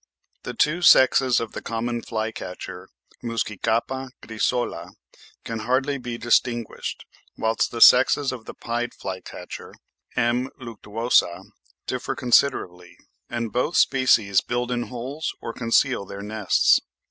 The two sexes of the common fly catcher (Muscicapa grisola) can hardly be distinguished, whilst the sexes of the pied fly catcher (M. luctuosa) differ considerably, and both species build in holes or conceal their nests.